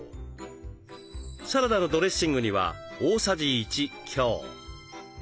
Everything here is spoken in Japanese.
サラダのドレッシングには大さじ１強。